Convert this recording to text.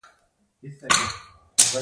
نړۍ د زړه له خاوندانو سره مرسته کوي.